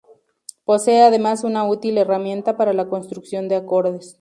Posee además una útil herramienta para la construcción de acordes.